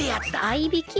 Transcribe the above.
合いびき？